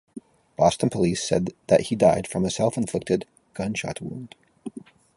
Boston police said that he died from a self-inflicted gunshot wound.